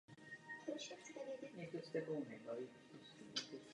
Státní nakladatelství technické literatury zastavilo vydání již připravených knih.